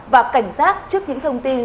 và cảnh giác trước những thông tin